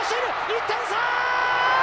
１点差！